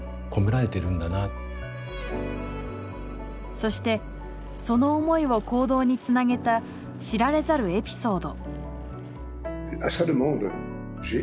そしてその思いを行動につなげた知られざるエピソード。